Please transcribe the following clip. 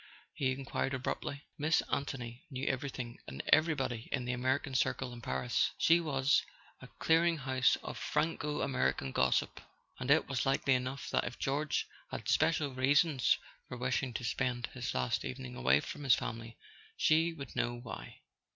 he enquired abruptly. Miss Anthony knew everything and everybody in the American circle in Paris; she was a clearing house of Franco American gossip, and it was likely enough that if George had special reasons for wishing to spend his last evening away from his family she would know why.